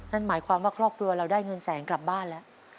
นั่นหมายความว่าครอบครัวเราได้เงินแสนกลับบ้านแล้ว